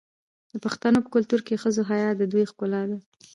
د پښتنو په کلتور کې د ښځو حیا د دوی ښکلا ده.